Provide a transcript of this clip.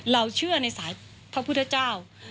เราเชื่อในสายพระพุทธเจ้า